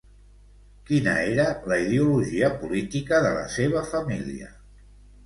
Quina era la ideologia política de la seva família?